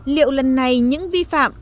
liệu lần này những vi phạm